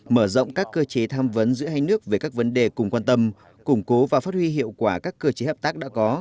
mở rộng các cơ chế tham vấn giữa hai nước về các vấn đề cùng quan tâm củng cố và phát huy hiệu quả các cơ chế hợp tác đã có